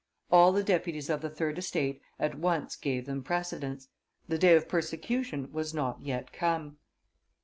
All the deputies of the third (estate) at once gave them precedence. The day of persecution was not yet come.